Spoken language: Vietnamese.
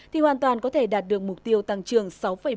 thì hoàn toàn có thể đạt được mục tiêu tăng trưởng